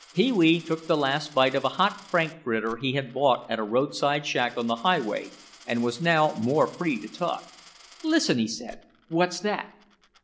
Pee wee took the last bite of a hot frankfurter he had bought at a roadside shack on the highway and was now more free to talk. "Listen," he said, "what's that?"